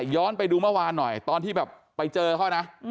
ไปดูเมื่อวานหน่อยตอนที่แบบไปเจอเขานะ